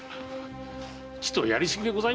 ちとやり過ぎでございまするぞ。